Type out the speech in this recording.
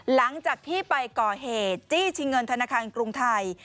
หลังจากที่ไปก่อเหตุจี้ชิงเงินธนาคารกรุงไทย